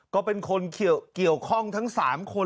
ก็เป็นคนเกี่ยวข้องทั้ง๓คน